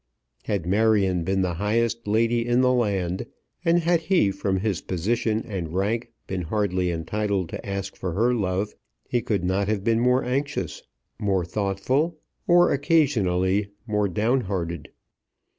Had Marion been the highest lady in the land, and had he from his position and rank been hardly entitled to ask for her love, he could not have been more anxious, more thoughtful, or occasionally more down hearted.